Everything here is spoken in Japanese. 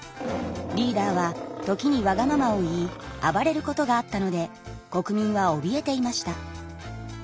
リーダーは時にわがままを言い暴れることがあったので国民はおびえていました。